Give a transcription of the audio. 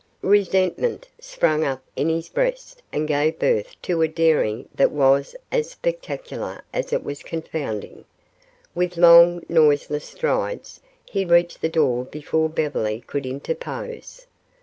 Resentment sprang up in his breast and gave birth to a daring that was as spectacular as it was confounding. With long, noiseless strides, he reached the door before Beverly could interpose.